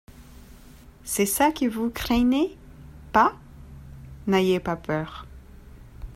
C'est ça que vous craigniez, pas ? N'ayez pas peur.